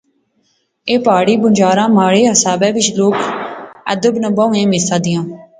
ایہہ پہاڑی بنجاراں مہاڑے حسابے وچ لوک ادب ناں بہوں اہم حصہ دیاں